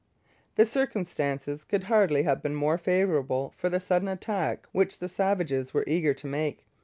The circumstances could hardly have been more favourable for the sudden attack which the savages were eager to make.